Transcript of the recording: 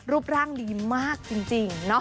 รูปร่างดีมากจริง